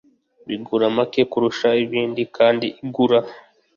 bigura make kurusha ibindi kandi ugura